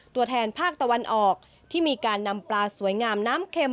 ตัวแทนภาคตะวันออกที่มีการนำปลาสวยงามน้ำเข็ม